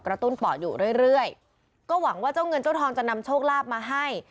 ตุ้นป่ออยู่เรื่อยเรื่อยก็หวังว่าเจ้าเงินเจ้าทองจะนำโชคลาภมาให้